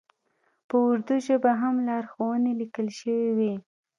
په اردو ژبه هم لارښوونې لیکل شوې وې.